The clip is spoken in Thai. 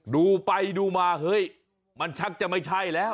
ดูไปดูมาเฮ้ยมันชักจะไม่ใช่แล้ว